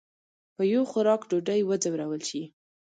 په یو خوراک ډوډۍ وځورول شي.